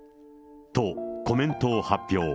と、コメントを発表。